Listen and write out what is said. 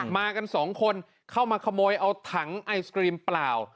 มากันสองคนเข้ามาขโมยเอาถังไอศกรีมเปล่า